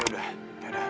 oke udah udah sekarang